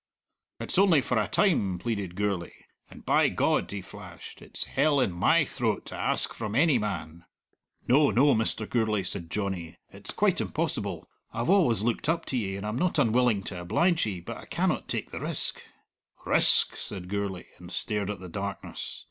"It's only for a time," pleaded Gourlay; "and, by God," he flashed, "it's hell in my throat to ask from any man." "No, no, Mr. Gourlay," said Johnny, "it's quite impossible. I've always looked up to ye, and I'm not unwilling to oblige ye, but I cannot take the risk." "Risk!" said Gourlay, and stared at the darkness.